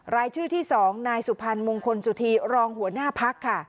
รายชื่อที่๒นายสุพรรณมงคลสุธีรองหัวหน้าพักค่ะ